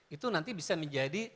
itu nanti bisa menjadi